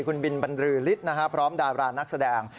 คุณบินบรรลือฤทธิ์พร้อมดารานักแสดง